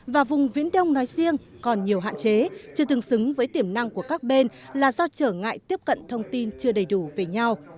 và vùng viễn đông nói riêng còn nhiều hạn chế chưa tương xứng với tiềm năng của các bên là do trở ngại tiếp cận thông tin chưa đầy đủ về nhau